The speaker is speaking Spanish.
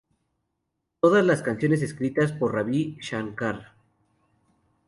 Todas las canciones escritas por Ravi Shankar.